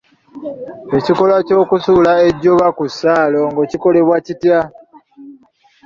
Ekikolwa ky’okusala ejjoba ku ssaalongo kikolebwa kitya?